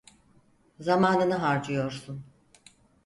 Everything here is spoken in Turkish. Zamanını harcıyorsun.